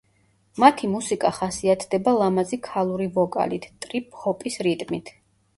მათი მუსიკა ხასიათდება ლამაზი ქალური ვოკალით, ტრიპ-ჰოპის რიტმით.